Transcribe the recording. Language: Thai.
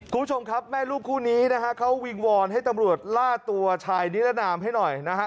คุณผู้ชมครับแม่ลูกคู่นี้นะฮะเขาวิงวอนให้ตำรวจล่าตัวชายนิรนามให้หน่อยนะฮะ